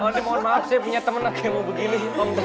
oh ini mohon maaf saya punya temen aku yang mau begini